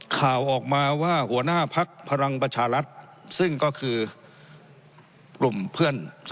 ข่าวออกมาว่าหัวหน้าภักษ์พลังประชารัฐซึ่งก็คือ